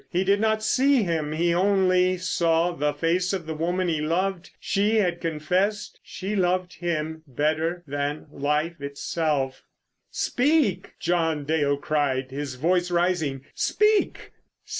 He did not see him; he only saw the face of the woman he loved. She had confessed she loved him better than life itself. "Speak!" John Dale cried, his voice rising. "Speak!"